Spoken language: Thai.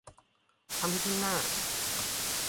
ความผิดซึ่งหน้า